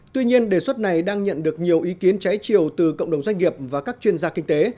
tuy nhiên đề xuất này đang nhận được nhiều ý kiến trái chiều từ cộng đồng doanh nghiệp và các chuyên gia kinh tế